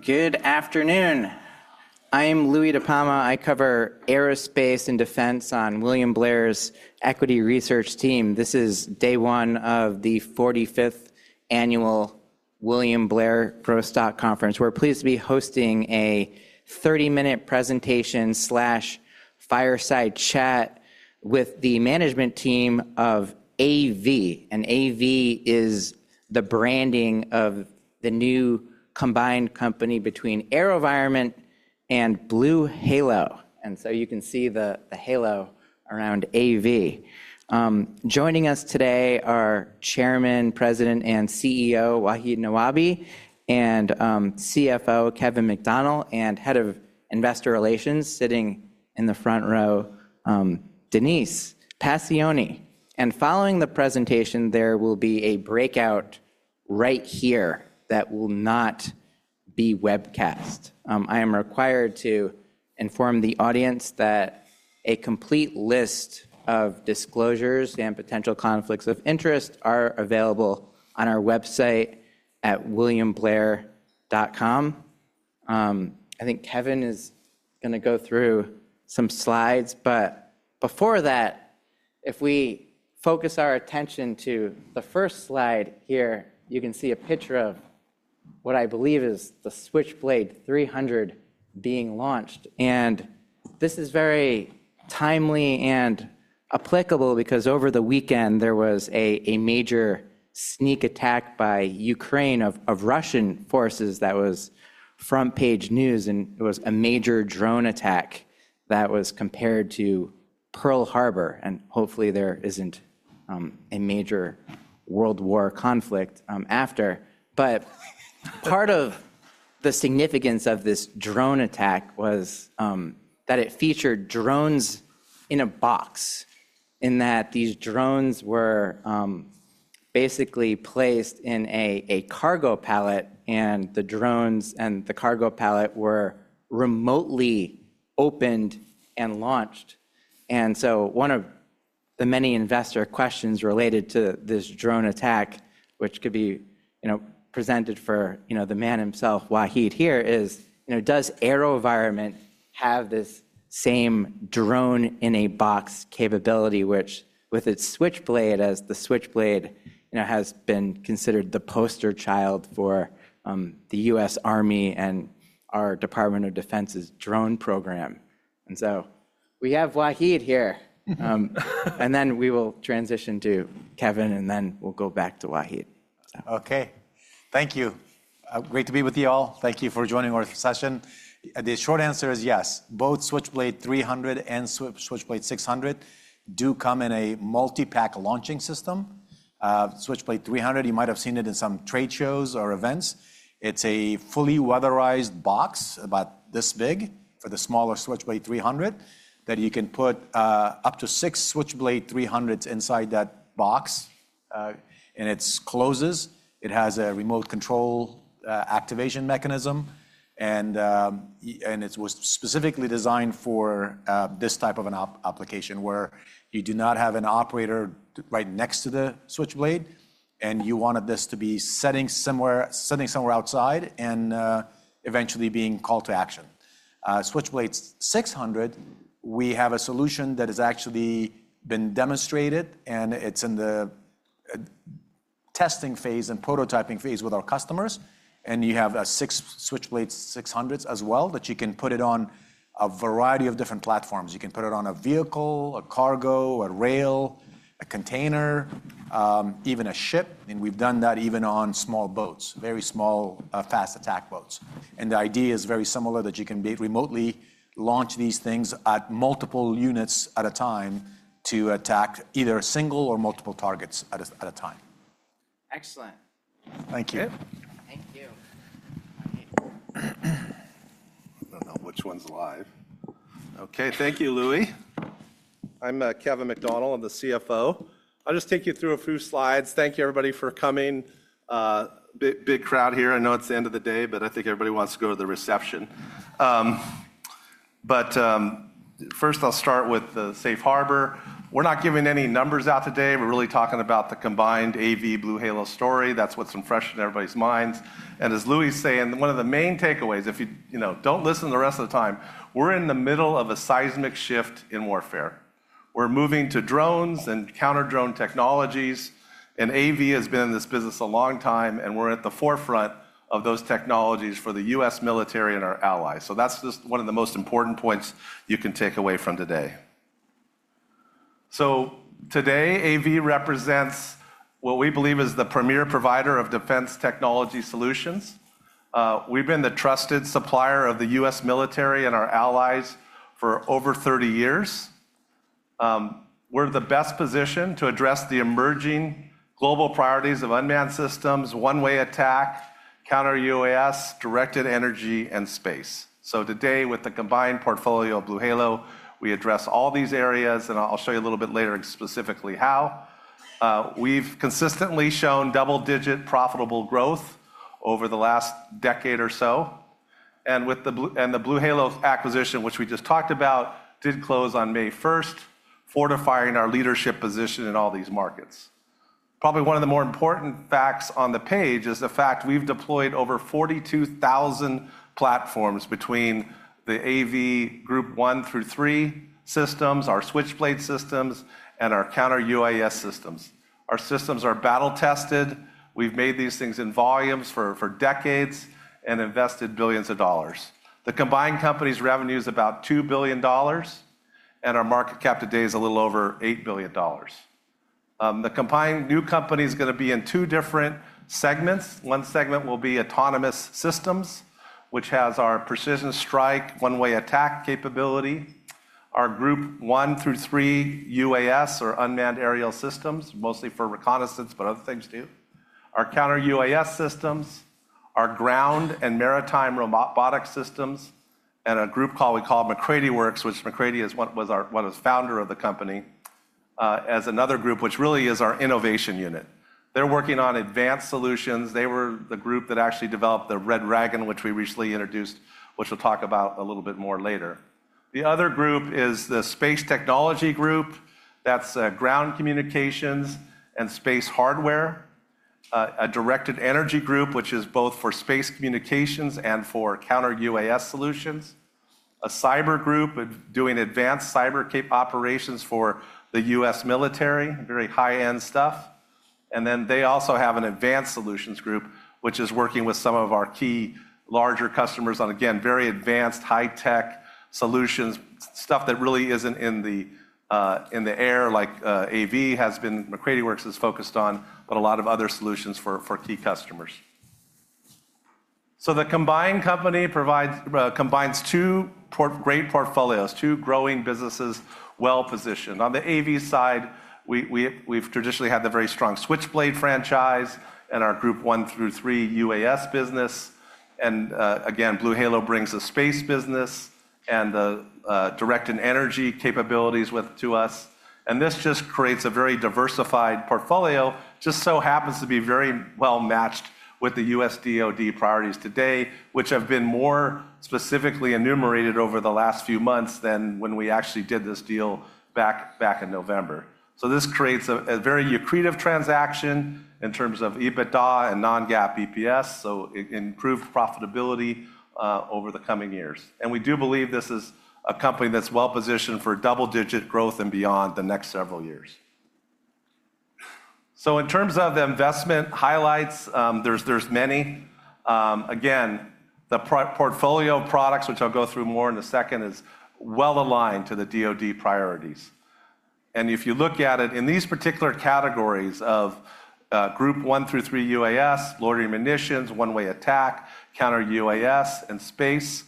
Good afternoon. I am Louie DiPalma. I cover aerospace and defense on William Blair's Equity Research Team. This is day one of the 45th annual William Blair Growth Stock Conference. We're pleased to be hosting a 30-minute presentation/fireside chat with the management team of AV. AV is the branding of the new combined company between AeroVironment and BlueHalo. You can see the halo around AV. Joining us today are Chairman, President, and CEO Wahid Nawabi, CFO Kevin McDonnell, and Head of Investor Relations, sitting in the front row, Denise Pacioni. Following the presentation, there will be a breakout right here that will not be webcast. I am required to inform the audience that a complete list of disclosures and potential conflicts of interest are available on our website at williamblair.com. I think Kevin is going to go through some slides. Before that, if we focus our attention to the first slide here, you can see a picture of what I believe is the Switchblade 300 being launched. This is very timely and applicable because over the weekend, there was a major sneak attack by Ukraine of Russian forces that was front-page news. It was a major drone attack that was compared to Pearl Harbor. Hopefully, there is not a major world war conflict after. Part of the significance of this drone attack was that it featured drones in a box, in that these drones were basically placed in a cargo pallet. The drones and the cargo pallet were remotely opened and launched. One of the many investor questions related to this drone attack, which could be presented for the man himself, Wahid here, is, does AeroVironment have this same drone-in-a-box capability, which with its Switchblade, as the Switchblade has been considered the poster child for the U.S. Army and our Department of Defense's drone program? We have Wahid here. We will transition to Kevin, and then we will go back to Wahid. Okay. Thank you. Great to be with you all. Thank you for joining our session. The short answer is yes. Both Switchblade 300 and Switchblade 600 do come in a multi-pack launching system. Switchblade 300, you might have seen it in some trade shows or events. It's a fully weatherized box about this big for the smaller Switchblade 300 that you can put up to six Switchblade 300s inside that box. It closes. It has a remote control activation mechanism. It was specifically designed for this type of an application where you do not have an operator right next to the Switchblade. You wanted this to be sitting somewhere outside and eventually being called to action. Switchblade 600, we have a solution that has actually been demonstrated. It's in the testing phase and prototyping phase with our customers. You have six Switchblade 600s as well that you can put on a variety of different platforms. You can put it on a vehicle, a cargo, a rail, a container, even a ship. We have done that even on small boats, very small fast attack boats. The idea is very similar, that you can remotely launch these things at multiple units at a time to attack either single or multiple targets at a time. Excellent. Thank you. Thank you. I don't know which one's live. Okay, thank you, Louis. I'm Kevin McDonnell. I'm the CFO. I'll just take you through a few slides. Thank you, everybody, for coming. Big crowd here. I know it's the end of the day, but I think everybody wants to go to the reception. First, I'll start with the safe harbor. We're not giving any numbers out today. We're really talking about the combined AV/BlueHalo story. That's what's fresh in everybody's minds. As Louis is saying, one of the main takeaways, if you don't listen the rest of the time, we're in the middle of a seismic shift in warfare. We're moving to drones and counter-drone technologies. AV has been in this business a long time. We're at the forefront of those technologies for the U.S. military and our allies. That is just one of the most important points you can take away from today. Today, AV represents what we believe is the premier provider of defense technology solutions. We have been the trusted supplier of the U.S. military and our allies for over 30 years. We are in the best position to address the emerging global priorities of unmanned systems, one-way attack, counter-UAS, directed energy, and space. Today, with the combined portfolio of BlueHalo, we address all these areas. I will show you a little bit later specifically how. We have consistently shown double-digit profitable growth over the last decade or so. With the BlueHalo acquisition, which we just talked about, that did close on May 1, fortifying our leadership position in all these markets. Probably one of the more important facts on the page is the fact we've deployed over 42,000 platforms between the AV Group 1 through 3 systems, our Switchblade systems, and our counter-UAS systems. Our systems are battle-tested. We've made these things in volumes for decades and invested billions of dollars. The combined company's revenue is about $2 billion. Our market cap today is a little over $8 billion. The combined new company is going to be in two different segments. One segment will be autonomous systems, which has our precision strike, one-way attack capability. Our Group 1 through 3 UAS, or unmanned aerial systems, mostly for reconnaissance, but other things too. Our counter-UAS systems, our ground and maritime robotics systems, and a group we call McCrady Works, which McCrady was one of the founders of the company, as another group, which really is our innovation unit. They're working on advanced solutions. They were the group that actually developed the Red Dragon, which we recently introduced, which we'll talk about a little bit more later. The other group is the Space Technology Group. That's ground communications and space hardware, a directed energy group, which is both for space communications and for counter-UAS solutions, a cyber group doing advanced cyber cape operations for the U.S. military, very high-end stuff. They also have an advanced solutions group, which is working with some of our key larger customers on, again, very advanced high-tech solutions, stuff that really isn't in the air like AV has been. McCrady Works is focused on, but a lot of other solutions for key customers. The combined company combines two great portfolios, two growing businesses well positioned. On the AV side, we've traditionally had the very strong Switchblade franchise and our Group 1 through 3 UAS business. BlueHalo brings the space business and the directed energy capabilities to us. This just creates a very diversified portfolio, just so happens to be very well matched with the U.S. DOD priorities today, which have been more specifically enumerated over the last few months than when we actually did this deal back in November. This creates a very lucrative transaction in terms of EBITDA and non-GAAP EPS, so improved profitability over the coming years. We do believe this is a company that's well positioned for double-digit growth and beyond the next several years. In terms of the investment highlights, there's many. The portfolio products, which I'll go through more in a second, are well aligned to the DOD priorities. If you look at it in these particular categories of Group 1 through 3 UAS, loitering munitions, one-way attack, counter-UAS, and space,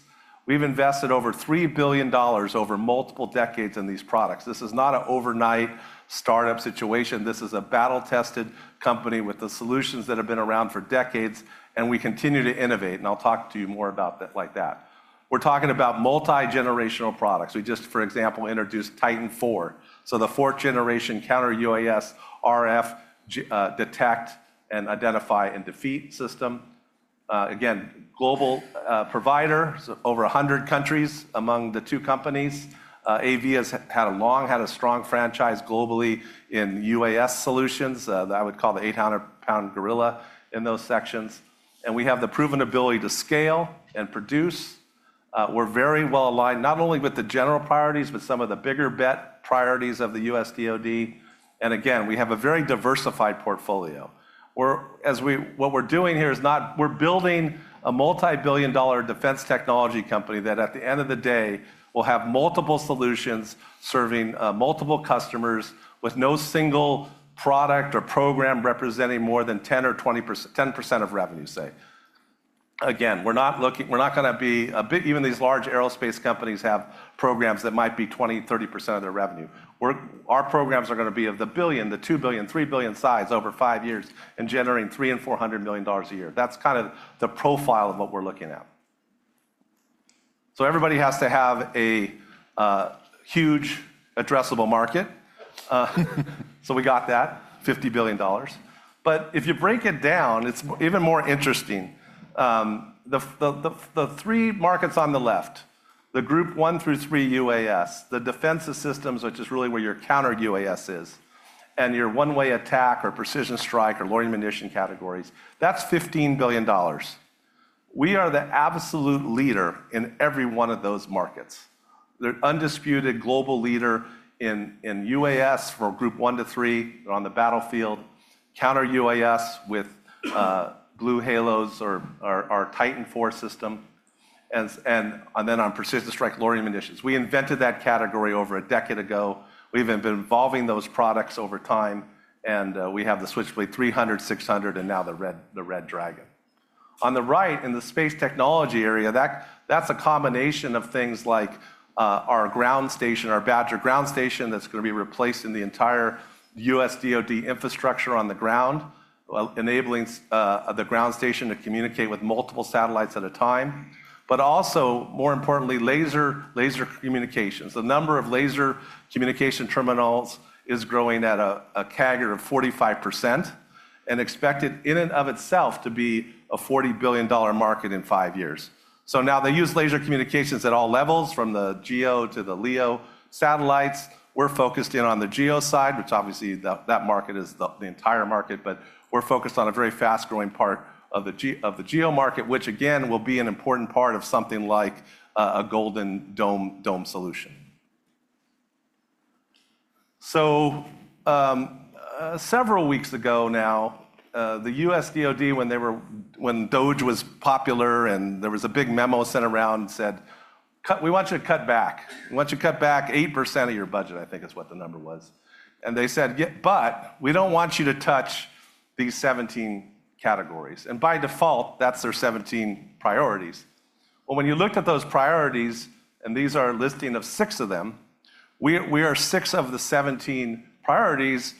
we've invested over $3 billion over multiple decades in these products. This is not an overnight startup situation. This is a battle-tested company with the solutions that have been around for decades. We continue to innovate. I'll talk to you more about that like that. We're talking about multi-generational products. We just, for example, introduced Titan IV, so the fourth-generation counter-UAS, RF detect and identify and defeat system. Again, global provider, over 100 countries among the two companies. AV has had a long, had a strong franchise globally in UAS solutions. I would call the 800-pound gorilla in those sections. We have the proven ability to scale and produce. We're very well aligned not only with the general priorities, but some of the bigger bet priorities of the U.S. DOD. Again, we have a very diversified portfolio. What we're doing here is not we're building a multi-billion dollar defense technology company that at the end of the day will have multiple solutions serving multiple customers with no single product or program representing more than 10% of revenue, say. Again, we're not going to be even these large aerospace companies have programs that might be 20%, 30% of their revenue. Our programs are going to be of the billion, the $2 billion, $3 billion size over five years and generating $300 million and $400 million a year. That's kind of the profile of what we're looking at. Everybody has to have a huge addressable market. We got that, $50 billion. If you break it down, it's even more interesting. The three markets on the left, the Group 1 through 3 UAS, the defensive systems, which is really where your counter-UAS is, and your one-way attack or precision strike or loitering munition categories, that's $15 billion. We are the absolute leader in every one of those markets. The undisputed global leader in UAS for Group 1-3. They're on the battlefield, counter-UAS with BlueHalo or our Titan IV system, and then on precision strike loitering munitions. We invented that category over a decade ago. We've been evolving those products over time. We have the Switchblade 300, 600, and now the Red Dragon. On the right, in the space technology area, that's a combination of things like our ground station, our Badger ground station that's going to be replaced in the entire U.S. DOD infrastructure on the ground, enabling the ground station to communicate with multiple satellites at a time. Also, more importantly, laser communications. The number of laser communication terminals is growing at a CAGR of 45% and expected in and of itself to be a $40 billion market in five years. Now they use laser communications at all levels, from the GEO to the LEO satellites. We're focused in on the GEO side, which obviously that market is the entire market. We're focused on a very fast-growing part of the GEO market, which again will be an important part of something like a Golden Dome solution. Several weeks ago now, the U.S. DOD, when DOGE was popular and there was a big memo sent around and said, we want you to cut back. We want you to cut back 8% of your budget, I think is what the number was. They said, but we do not want you to touch these 17 categories. By default, that is their 17 priorities. When you looked at those priorities, and these are a listing of six of them, we are six of the 17 priorities,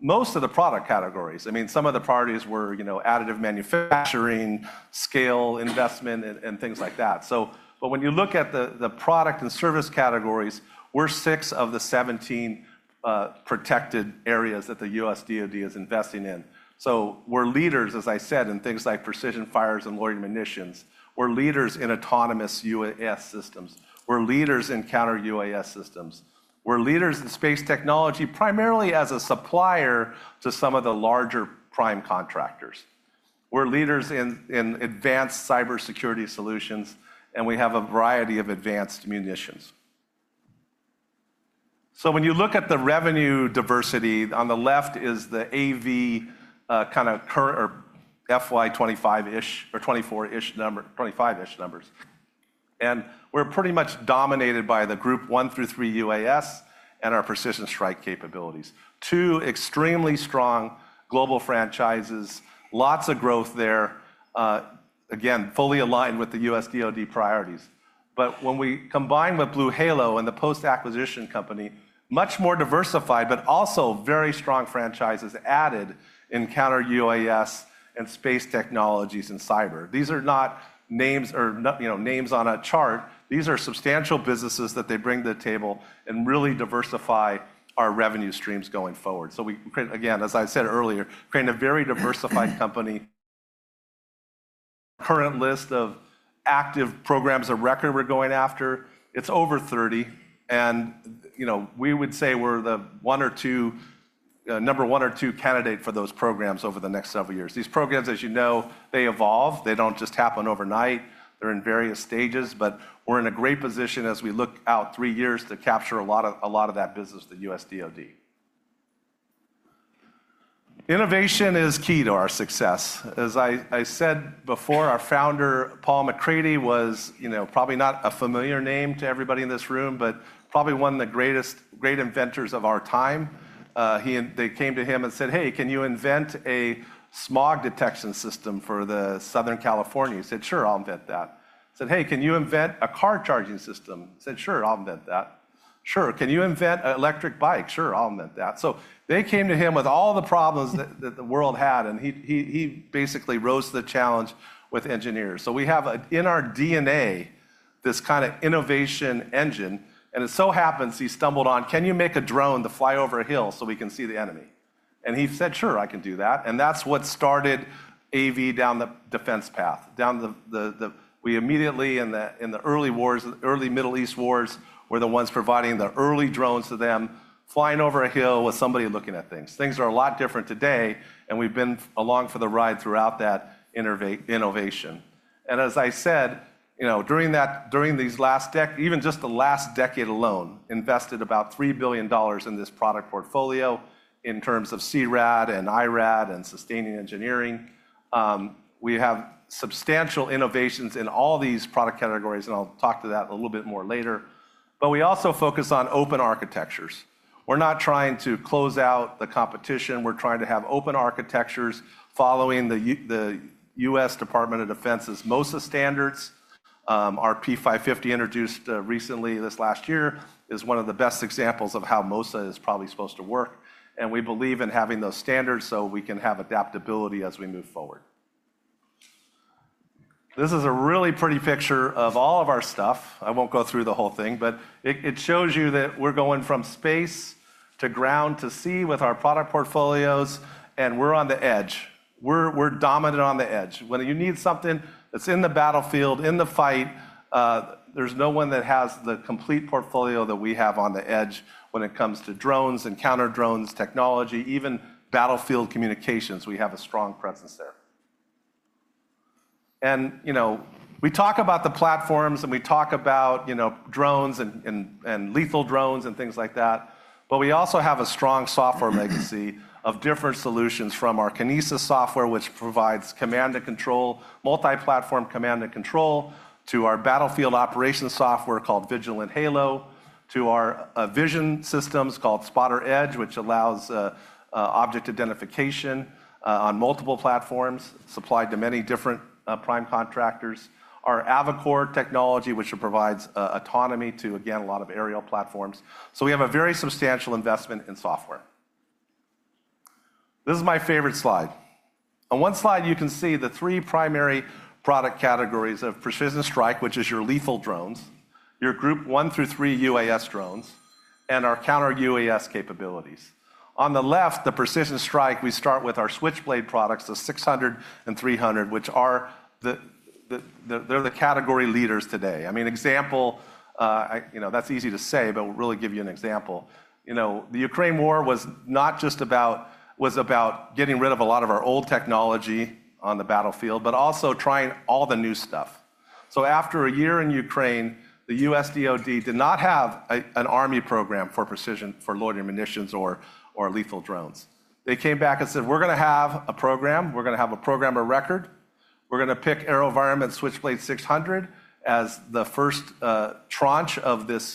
most of the product categories. I mean, some of the priorities were additive manufacturing, scale investment, and things like that. When you look at the product and service categories, we are six of the 17 protected areas that the U.S. DOD is investing in. We are leaders, as I said, in things like precision fires and loitering munitions. We're leaders in autonomous UAS systems. We're leaders in counter-UAS systems. We're leaders in space technology primarily as a supplier to some of the larger prime contractors. We're leaders in advanced cybersecurity solutions. We have a variety of advanced munitions. When you look at the revenue diversity, on the left is the AV kind of FY2025-ish or 2025-ish numbers. We're pretty much dominated by the Group 1 through 3 UAS and our precision strike capabilities. Two extremely strong global franchises, lots of growth there, again, fully aligned with the U.S. DOD priorities. When we combine with BlueHalo and the post-acquisition company, much more diversified, but also very strong franchises added in counter-UAS and space technologies and cyber. These are not names on a chart. These are substantial businesses that they bring to the table and really diversify our revenue streams going forward. As I said earlier, creating a very diversified company. Current list of active programs of record we're going after, it's over 30. We would say we're the number one or two candidate for those programs over the next several years. These programs, as you know, they evolve. They don't just happen overnight. They're in various stages. We're in a great position as we look out three years to capture a lot of that business, the U.S. DOD. Innovation is key to our success. As I said before, our founder, Paul McCrady, was probably not a familiar name to everybody in this room, but probably one of the greatest inventors of our time. They came to him and said, hey, can you invent a smog detection system for Southern California? He said, sure, I'll invent that. He said, hey, can you invent a car charging system? He said, sure, I'll invent that. Sure. Can you invent an electric bike? Sure, I'll invent that. They came to him with all the problems that the world had. He basically rose to the challenge with engineers. We have in our DNA this kind of innovation engine. It so happens he stumbled on, can you make a drone to fly over a hill so we can see the enemy? He said, sure, I can do that. That is what started AV down the defense path. We immediately in the early wars, early Middle East wars, were the ones providing the early drones to them, flying over a hill with somebody looking at things. Things are a lot different today. We have been along for the ride throughout that innovation. As I said, during these last decades, even just the last decade alone, invested about $3 billion in this product portfolio in terms of CRAD and IRAD and sustaining engineering. We have substantial innovations in all these product categories. I'll talk to that a little bit more later. We also focus on open architectures. We're not trying to close out the competition. We're trying to have open architectures following the U.S. Department of Defense's MOSA standards. Our P550 introduced recently this last year is one of the best examples of how MOSA is probably supposed to work. We believe in having those standards so we can have adaptability as we move forward. This is a really pretty picture of all of our stuff. I won't go through the whole thing. It shows you that we're going from space to ground to sea with our product portfolios. We're on the edge. We're dominant on the edge. When you need something that's in the battlefield, in the fight, there's no one that has the complete portfolio that we have on the edge when it comes to drones and counter-drones technology, even battlefield communications. We have a strong presence there. We talk about the platforms. We talk about drones and lethal drones and things like that. We also have a strong software legacy of different solutions from our Kinesis software, which provides command and control, multi-platform command and control to our battlefield operations software called Vigilant Halo, to our vision systems called Spotter Edge, which allows object identification on multiple platforms supplied to many different prime contractors, our Avicor technology, which provides autonomy to, again, a lot of aerial platforms. We have a very substantial investment in software. This is my favorite slide. On one slide, you can see the three primary product categories of precision strike, which is your lethal drones, your Group 1 through 3 UAS drones, and our counter-UAS capabilities. On the left, the precision strike, we start with our Switchblade products, the 600 and 300, which they're the category leaders today. I mean, example, that's easy to say, but we'll really give you an example. The Ukraine war was not just about getting rid of a lot of our old technology on the battlefield, but also trying all the new stuff. After a year in Ukraine, the U.S. DOD did not have an Army program for precision, for loitering munitions or lethal drones. They came back and said, we're going to have a program. We're going to have a program of record. We're going to pick AeroVironment Switchblade 600 as the first tranche of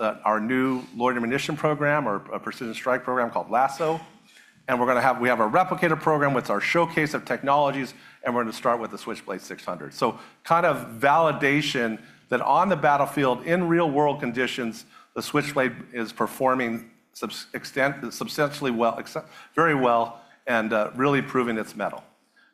our new loitering munition program or precision strike program called LASO. We have a Replicator program, which is our showcase of technologies. We're going to start with the Switchblade 600. Kind of validation that on the battlefield, in real-world conditions, the Switchblade is performing very well and really proving its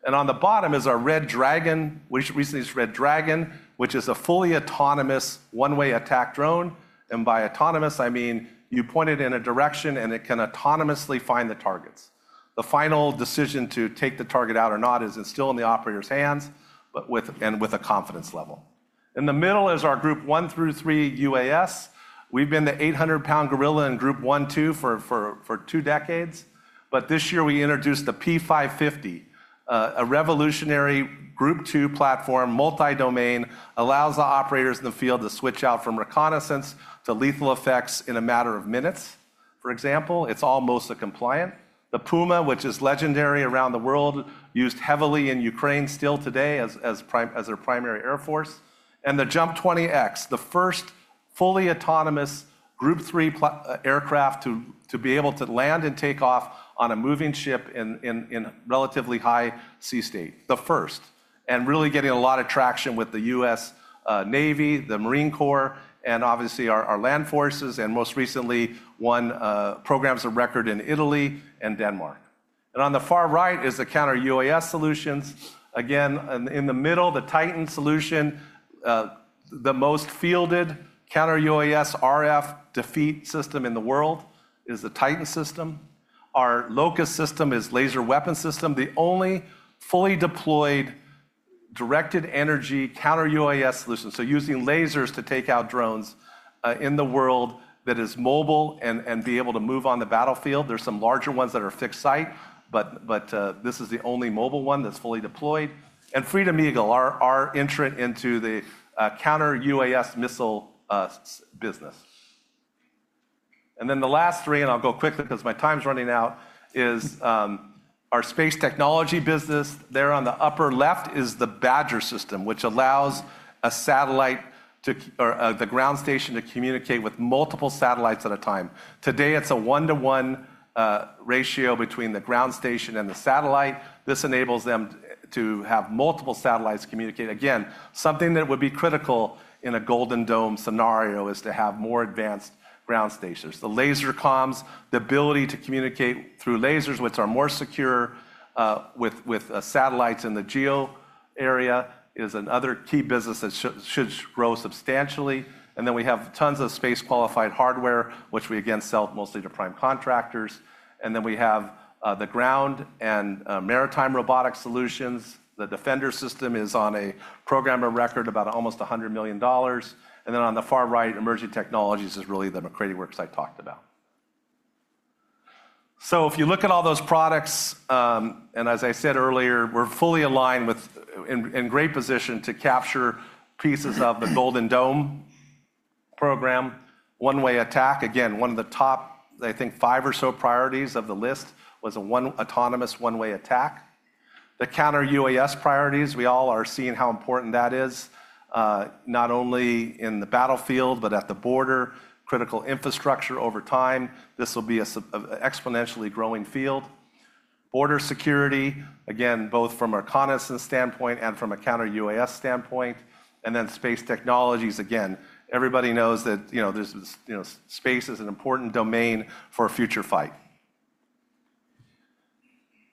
mettle. On the bottom is our Red Dragon, which recently is Red Dragon, which is a fully autonomous one-way attack drone. By autonomous, I mean you point it in a direction, and it can autonomously find the targets. The final decision to take the target out or not is still in the operator's hands and with a confidence level. In the middle is our Group 1 through 3 UAS. We've been the 800-pound gorilla in Group 1, 2 for two decades. This year, we introduced the P550, a revolutionary Group 2 platform, multi-domain, allows the operators in the field to switch out from reconnaissance to lethal effects in a matter of minutes. For example, it's almost a compliant. The Puma, which is legendary around the world, used heavily in Ukraine still today as their primary air force. The Jump 20X, the first fully autonomous Group 3 aircraft to be able to land and take off on a moving ship in relatively high sea state, the first, and really getting a lot of traction with the U.S. Navy, the Marine Corps, and obviously our land forces, and most recently won programs of record in Italy and Denmark. On the far right is the counter-UAS solutions. Again, in the middle, the Titan solution, the most fielded counter-UAS RF defeat system in the world is the Titan system. Our Locus system is a laser weapon system, the only fully deployed directed-energy counter-UAS solution. Using lasers to take out drones in the world that is mobile and be able to move on the battlefield. There are some larger ones that are fixed site. This is the only mobile one that is fully deployed. Freedom Eagle, our entrant into the counter-UAS missile business. The last three, and I'll go quickly because my time's running out, is our space technology business. There on the upper left is the Badger system, which allows a satellite or the ground station to communicate with multiple satellites at a time. Today, it's a one-to-one ratio between the ground station and the satellite. This enables them to have multiple satellites communicate. Again, something that would be critical in a Golden Dome scenario is to have more advanced ground stations. The laser comms, the ability to communicate through lasers, which are more secure with satellites in the GEO area, is another key business that should grow substantially. We have tons of space-qualified hardware, which we, again, sell mostly to prime contractors. We have the ground and maritime robotic solutions. The Defender system is on a program of record, about almost $100 million. On the far right, Emerging Technologies is really the McCrady works I talked about. If you look at all those products, and as I said earlier, we're fully aligned with and in great position to capture pieces of the Golden Dome program. One-way attack, again, one of the top, I think, five or so priorities of the list was an autonomous one-way attack. The counter-UAS priorities, we all are seeing how important that is, not only in the battlefield, but at the border, critical infrastructure over time. This will be an exponentially growing field. Border security, again, both from a reconnaissance standpoint and from a counter-UAS standpoint. Space technologies, again, everybody knows that space is an important domain for a future fight.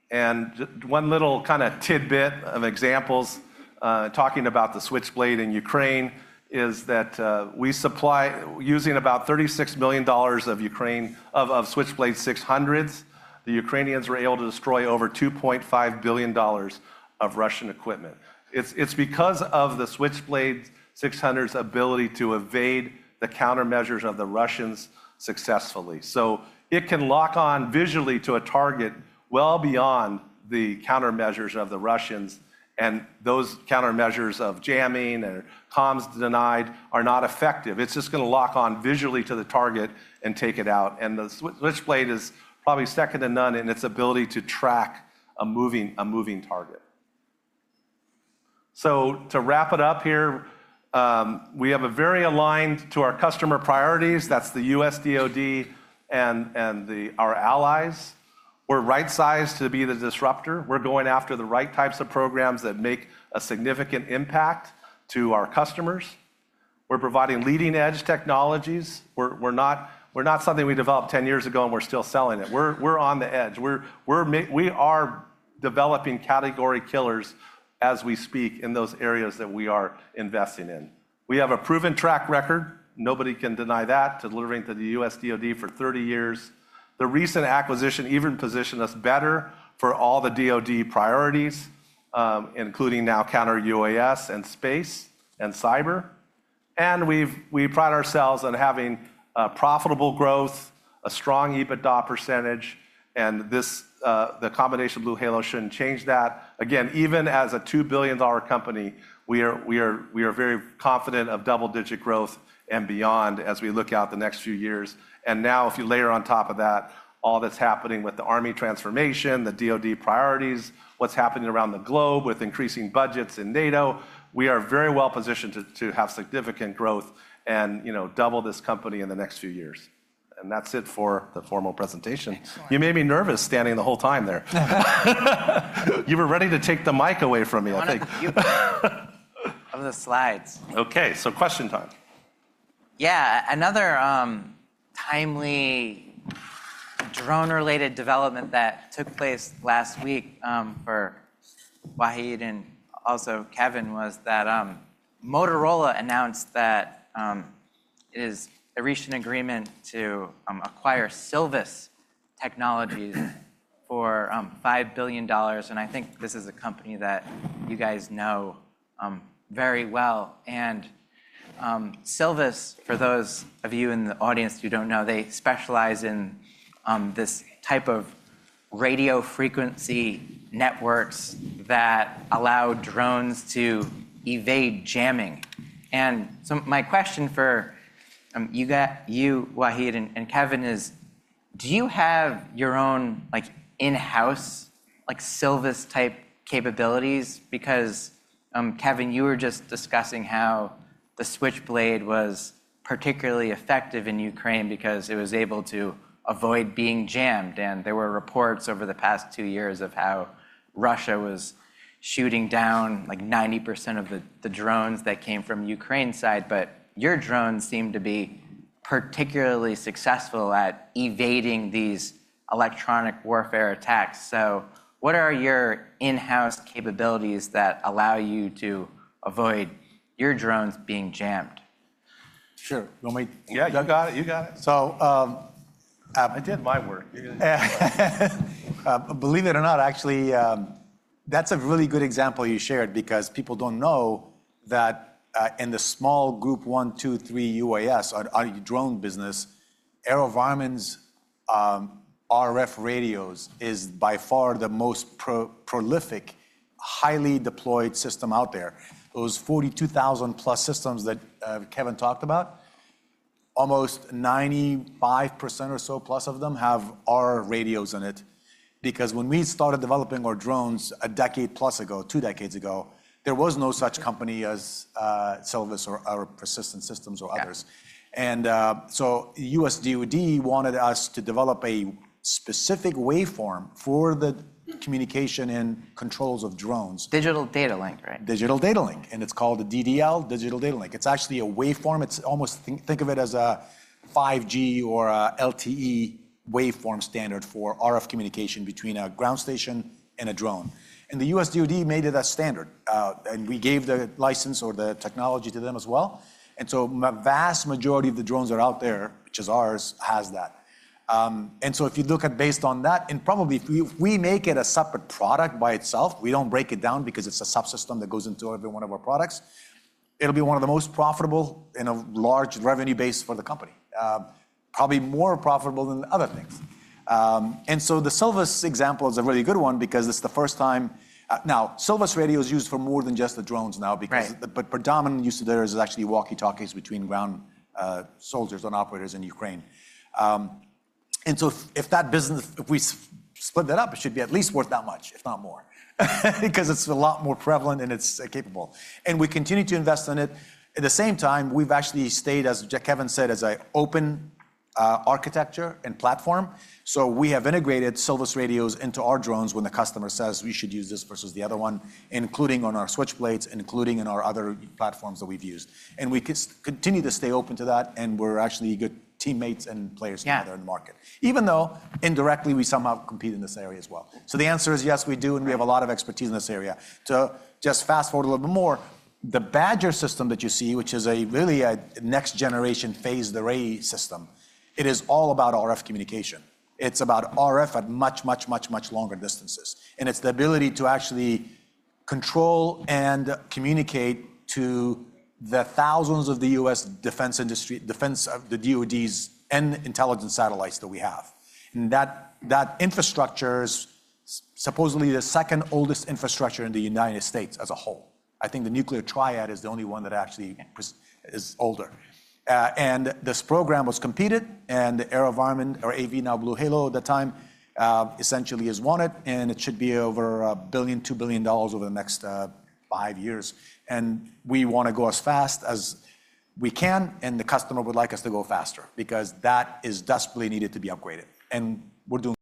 One little kind of tidbit of examples talking about the Switchblade in Ukraine is that we supply, using about $36 million of Switchblade 600s, the Ukrainians were able to destroy over $2.5 billion of Russian equipment. It is because of the Switchblade 600's ability to evade the countermeasures of the Russians successfully. It can lock on visually to a target well beyond the countermeasures of the Russians. Those countermeasures of jamming and comms denied are not effective. It is just going to lock on visually to the target and take it out. The Switchblade is probably second to none in its ability to track a moving target. To wrap it up here, we have a very aligned to our customer priorities. That is the U.S. DOD and our allies. We are right-sized to be the disruptor. We're going after the right types of programs that make a significant impact to our customers. We're providing leading-edge technologies. We're not something we developed 10 years ago, and we're still selling it. We're on the edge. We are developing category killers as we speak in those areas that we are investing in. We have a proven track record. Nobody can deny that, delivering to the US DOD for 30 years. The recent acquisition even positioned us better for all the DOD priorities, including now counter-UAS and space and cyber. We pride ourselves on having profitable growth, a strong EBITDA percentage. The combination BlueHalo shouldn't change that. Again, even as a $2 billion company, we are very confident of double-digit growth and beyond as we look out the next few years. If you layer on top of that all that's happening with the Army transformation, the DOD priorities, what's happening around the globe with increasing budgets in NATO, we are very well positioned to have significant growth and double this company in the next few years. That's it for the formal presentation. You made me nervous standing the whole time there. You were ready to take the mic away from me, I think. Oh, you on the slides. Okay, so question time. Yeah, another timely drone-related development that took place last week for Wahid and also Kevin was that Motorola announced that it has reached an agreement to acquire Silvus Technologies for $5 billion. I think this is a company that you guys know very well. Silvus, for those of you in the audience who do not know, specializes in this type of radio frequency networks that allow drones to evade jamming. My question for you, Wahid and Kevin, is do you have your own in-house Silvus-type capabilities? Kevin, you were just discussing how the Switchblade was particularly effective in Ukraine because it was able to avoid being jammed. There were reports over the past two years of how Russia was shooting down like 90% of the drones that came from Ukraine's side. Your drones seem to be particularly successful at evading these electronic warfare attacks. What are your in-house capabilities that allow you to avoid your drones being jammed? Sure. Yeah, you got it. You got it. I did my work. Believe it or not, actually, that is a really good example you shared because people do not know that in the small Group 1, 2, 3 UAS, our drone business, AeroVironment's RF radios is by far the most prolific, highly deployed system out there. Those 42,000-plus systems that Kevin talked about, almost 95% or so plus of them have our radios in it. Because when we started developing our drones a decade-plus ago, two decades ago, there was no such company as Silvus or Persistent Systems or others. U.S. DOD wanted us to develop a specific waveform for the communication and controls of drones. Digital Data Link, right? Digital Data Link. It's called a DDL, Digital Data Link. It's actually a waveform. Think of it as a 5G or LTE waveform standard for RF communication between a ground station and a drone. The U.S. DOD made it a standard. We gave the license or the technology to them as well. The vast majority of the drones that are out there, which is ours, has that. If you look at based on that, and probably if we make it a separate product by itself, we do not break it down because it's a subsystem that goes into every one of our products, it will be one of the most profitable and a large revenue base for the company, probably more profitable than other things. The Silvus example is a really good one because it is the first time now, Silvus radios are used for more than just the drones now, but the predominant use of theirs is actually walkie-talkies between ground soldiers and operators in Ukraine. If that business, if we split that up, it should be at least worth that much, if not more, because it is a lot more prevalent and it is capable. We continue to invest in it. At the same time, we have actually stayed, as Kevin said, as an open architecture and platform. We have integrated Silvus radios into our drones when the customer says we should use this versus the other one, including on our Switchblades, including in our other platforms that we have used. We continue to stay open to that. We're actually good teammates and players together in the market, even though indirectly we somehow compete in this area as well. The answer is yes, we do. We have a lot of expertise in this area. To just fast forward a little bit more, the Badger system that you see, which is really a next-generation phased-array system, is all about RF communication. It's about RF at much, much, much, much longer distances. It's the ability to actually control and communicate to the thousands of the U.S. defense industry, the DOD's and intelligence satellites that we have. That infrastructure is supposedly the second oldest infrastructure in the United States as a whole. I think the nuclear triad is the only one that actually is older. This program was competed. AeroVironment, or AV, now BlueHalo at the time, essentially is wanted. It should be over $1 billion, $2 billion over the next five years. We want to go as fast as we can. The customer would like us to go faster because that is desperately needed to be upgraded. We are doing.